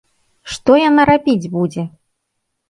Што яна рабіць будзе?